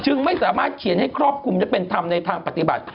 ไม่สามารถเขียนให้ครอบคลุมและเป็นธรรมในทางปฏิบัติ